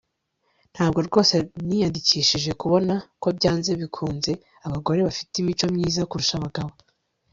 Ntabwo rwose niyandikishije kubona ko byanze bikunze abagore bafite imico myiza kurusha abagabo